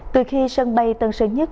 từ khi sân bay tần sớm nhất